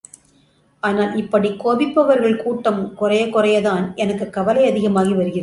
ஆனால் இப்படிக் கோபிப்பவர்கள் கூட்டம் குறைய குறையத்தான் எனக்குக் கவலை அதிகமாகி வருகிறது.